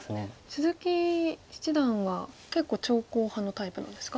鈴木七段は結構長考派のタイプなんですか？